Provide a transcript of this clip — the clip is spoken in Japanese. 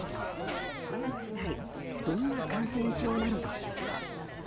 一体どんな感染症なのでしょうか。